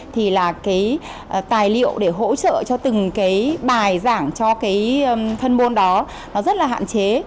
thì là tài liệu để hỗ trợ cho từng bài giảng cho thân môn đó nó rất là hạn chế